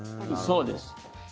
そうです。